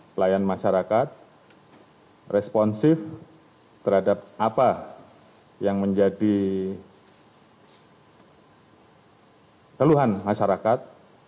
pelayan masyarakat responsif terhadap apa yang menjadi keluhan masyarakat